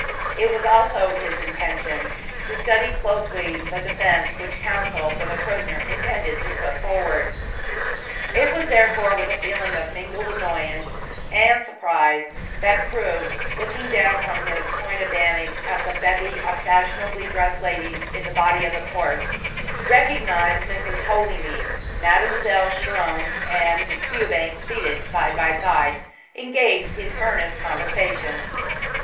It was also his intention to study closely the defence which Counsel for the prisoner intended to put forward. It was therefore with a feeling of mingled annoyance and surprise that Crewe, looking down from his point of vantage at the bevy of fashionably dressed ladies in the body of the court, recognised Mrs. Holymead, Mademoiselle Chiron and Miss Fewbanks seated side by side, engaged in earnest conversation.